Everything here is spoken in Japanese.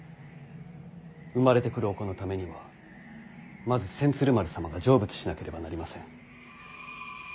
生まれてくるお子のためにはまず千鶴丸様が成仏しなければなりません。